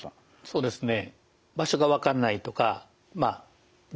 そうですね。